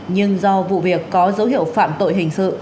nhưng do vụ việc có dấu hiệu phạm tội hình sự